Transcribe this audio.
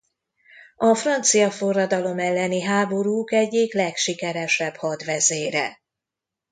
A francia forradalom elleni háborúk egyik legsikeresebb hadvezére.